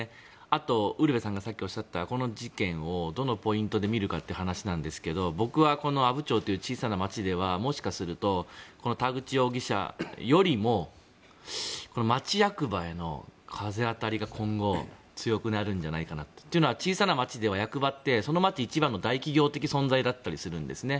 あとウルヴェさんがさっきおっしゃったこの事件をどのポイントで見るかという話ですが僕はこの阿武町という小さな町ではもしかするとこの田口容疑者よりも町役場への風当たりが今後強くなるんじゃないかと。というのは小さな町では役場ってその町一番の大企業という感じだったりするんですね。